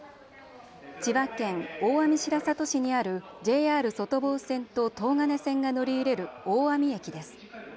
千葉県大網白里市にあるＪＲ外房線と東金線が乗り入れる大網駅です。